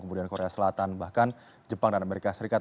kemudian korea selatan bahkan jepang dan amerika serikat